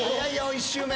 １周目